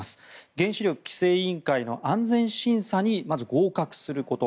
原子力規制委員会の安全審査にまず合格すること。